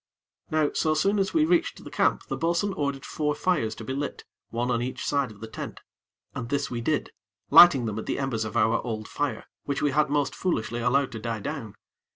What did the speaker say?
Now so soon as we reached the camp, the bo'sun ordered four fires to be lit one on each side of the tent, and this we did, lighting them at the embers of our old fire, which we had most foolishly allowed to die down.